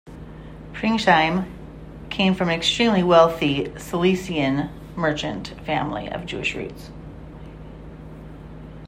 Pringsheim came from an extremely wealthy Silesian merchant family with Jewish roots.